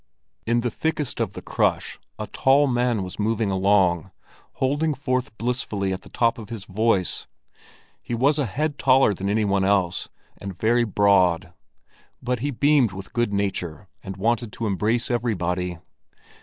In the thickest of the crush, a tall man was moving along, holding forth blissfully at the top of his voice. He was a head taller than anybody else, and very broad; but he beamed with good nature, and wanted to embrace everybody.